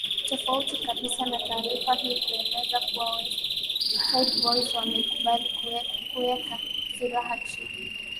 Tofauti kabisa na taarifa hii kueleza kuwa West Side Boys wamekubali kuweka silaha chini